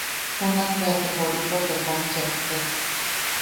Junakbeate Joripote kom cheptek.